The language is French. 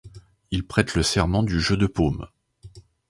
Il prête le serment du jeu de Paume.